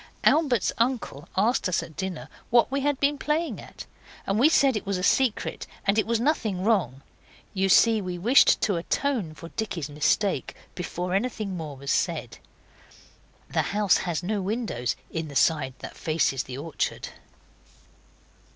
Albert's uncle asked us at dinner what we had been playing at, and we said it was a secret, and it was nothing wrong. You see we wished to atone for Dicky's mistake before anything more was said. The house has no windows in the side that faces the orchard.